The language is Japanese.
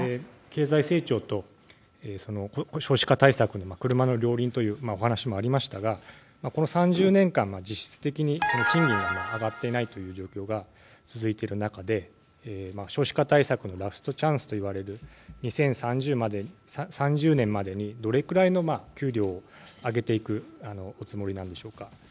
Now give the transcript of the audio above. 経済成長と少子化対策、車の両輪というお話もありましたがこの３０年間、実質的に賃金が上がっていないという状況が続いている中で少子化対策のラストチャンスと言われる２０３０年までにどれくらいの給与を上げていくおつもりなんでしょうか。